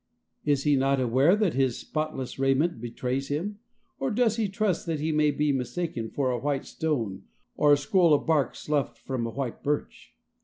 Is he not aware that his spotless raiment betrays him, or does he trust that he may be mistaken for a white stone or a scroll of bark sloughed from a white birch?